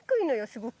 すごく。